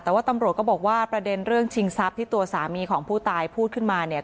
แต่ว่าตำรวจก็บอกว่าประเด็นเรื่องชิงทรัพย์ที่ตัวสามีของผู้ตายพูดขึ้นมาเนี่ย